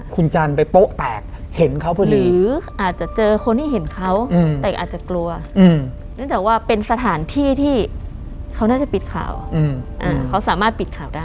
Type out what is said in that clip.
คุณจันไปโป๊ะแตกเห็นเขาพอดีหรืออาจจะเจอคนที่เห็นเขาแต่อาจจะกลัวเนื่องจากว่าเป็นสถานที่ที่เขาน่าจะปิดข่าว